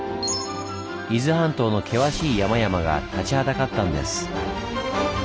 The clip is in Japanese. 伊豆半島の険しい山々が立ちはだかったんです。